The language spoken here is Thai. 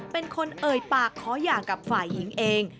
เป็นคนเอ่ยปากขอหย่ากับฝ่ายหญิงเอง